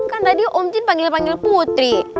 kan tadi om jin panggil panggil putri